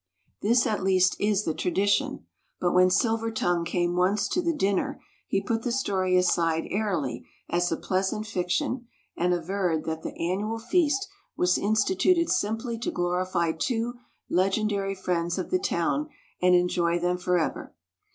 This at least is the tradition. But when Silvertongue came once to the dinner he put the story aside airily as a pleasant fiction, and averred that the annual feast was instituted simply to glorify two legendary friends of the town and enjoy them forever.